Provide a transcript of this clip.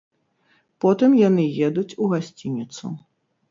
Потым яны едуць у гасцініцу.